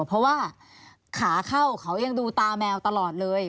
เพราะว่าขาเข้าเขายังดูตาแมวตลอดเลย